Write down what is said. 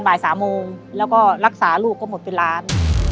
บ่าย๓โมงแล้วก็รักษาลูกก็หมดเป็นล้าน